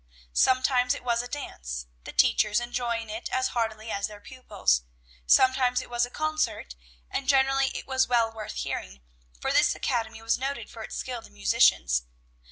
Sometimes it was a dance, the teachers enjoying it as heartily as their pupils; sometimes it was a concert, and generally it was well worth hearing, for this academy was noted for its skilled musicians.